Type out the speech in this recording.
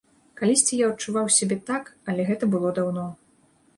Калісьці я адчуваў сябе так, але гэта было даўно.